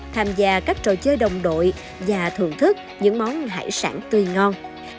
tham gia các trò chơi đồng đội và thưởng thức những món hải sản tươi ngon